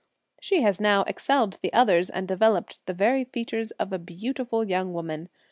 She has now excelled the others and developed the very features of a beautiful young woman.